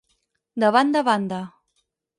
De banda a banda.